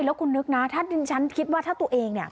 แล้วคุณนึกนะถ้าดิฉันคิดว่าถ้าตัวเองเนี่ย